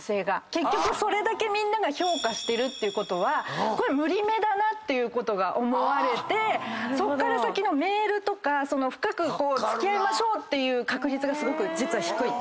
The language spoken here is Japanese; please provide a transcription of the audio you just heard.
結局それだけみんなが評価してるっていうことはこれ無理めだなと思われてそっから先のメールとか深く付き合いましょうっていう確率がすごく実は低い。